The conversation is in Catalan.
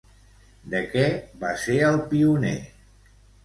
De què va ser el pioner?